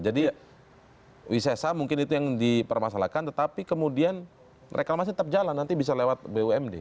jadi wisesa mungkin itu yang dipermasalahkan tetapi kemudian reklamasi tetap jalan nanti bisa lewat bumd